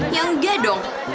ya enggak dong